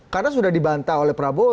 karena sudah dibantah oleh prabowo